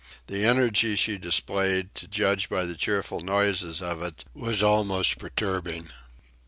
The energy she displayed, to judge by the cheerful noises of it, was almost perturbing.